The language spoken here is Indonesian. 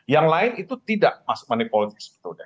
yang lain itu tidak money politics